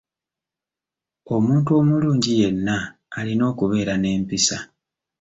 Omuntu omulungi yenna alina okubeera n’empisa.